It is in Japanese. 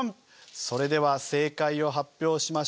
それでは正解を発表しましょう。